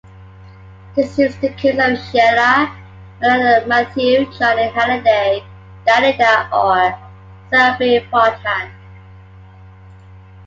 This is the case of Sheila, Mireille Mathieu, Johnny Hallyday, Dalida or Sylvie Vartan.